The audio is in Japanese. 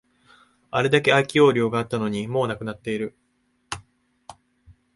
あれだけ空き容量があったのに、もうなくなっている